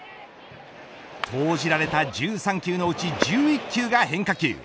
投じられた１３球のうち１１球が変化球。